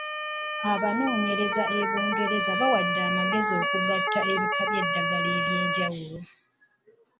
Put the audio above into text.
Abanoonyereza e Bungereza bawadde amagezi okugatta ebika by'eddagala eby'enjawulo.